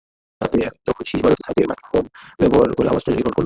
রাতে যখন শিস বাজতে থাকে, মাইক্রোফোন ব্যবহার করে আওয়াজটা রেকর্ড করলাম।